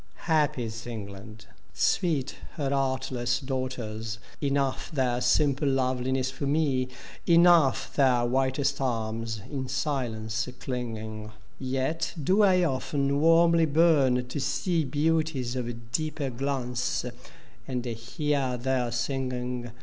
Happy is England, sweet her artless daugh ters; Enough their simple loveliness for me, Enough their whitest arms in silence clinging: Yet do I often warmly bum to see Beauties of deeper glance, and hear their singing.